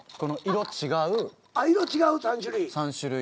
色違う３種類。